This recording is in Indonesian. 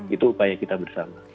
itu upaya kita bersama